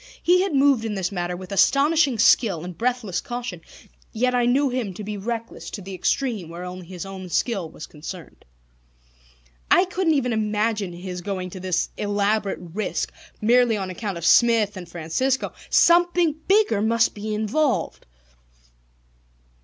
He had moved in this matter with astonishing skill and breathless caution; yet I knew him to be reckless to the extreme where only his own skill was concerned. I couldn't even imagine his going to this elaborate risk merely on account of Smith and Francisco. Something bigger must be involved.